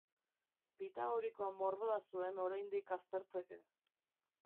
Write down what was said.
Pitagoriko mordoa zuen oraindik aztertzeke.